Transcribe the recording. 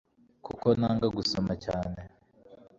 kuko nanga gusenga cyane